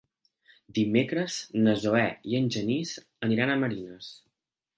Dimecres na Zoè i en Genís aniran a Marines.